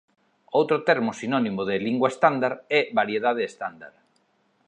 Outro termo sinónimo de lingua estándar é variedade estándar.